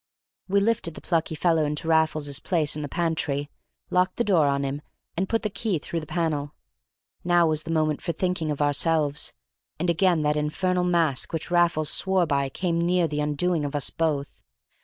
We lifted the plucky fellow into Raffles's place in the pantry, locked the door on him, and put the key through the panel. Now was the moment for thinking of ourselves, and again that infernal mask which Raffles swore by came near the undoing of us both.